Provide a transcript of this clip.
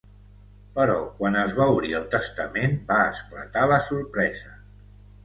Però quan es va obrir el testament va esclatar la sorpresa.